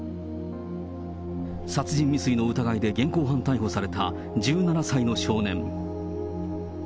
殺人未遂の疑いで現行犯逮捕された１７歳の少年。